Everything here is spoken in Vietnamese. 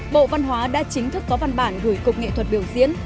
bộ văn hóa đã chính thức có văn bản gửi cục nghệ thuật biểu diễn